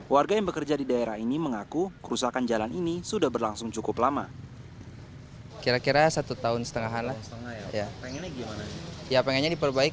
warga yang bekerja di daerah ini mengaku kerusakan jalan ini sudah berlangsung cukup lama